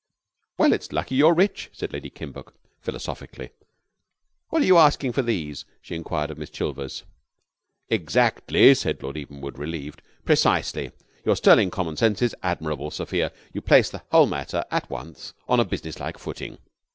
"Well, it's lucky you're rich," said Lady Kimbuck philosophically. "What are you asking for these?" she enquired of Miss Chilvers. "Exactly," said Lord Evenwood, relieved. "Precisely. Your sterling common sense is admirable, Sophia. You place the whole matter at once on a businesslike footing."